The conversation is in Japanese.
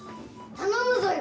頼むぞよ。